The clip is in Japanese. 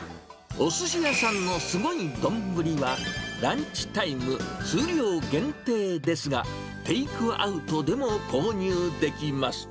おすし屋さんのスゴいドンブリは、ランチタイム、数量限定ですが、テイクアウトでも購入できます。